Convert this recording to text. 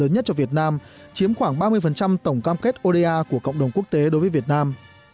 lớn nhất cho việt nam chiếm khoảng ba mươi tổng cam kết oda của cộng đồng quốc tế đối với việt nam